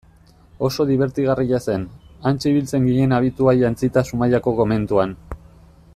Oso dibertigarria zen, hantxe ibiltzen ginen abitua jantzita Zumaiako komentuan.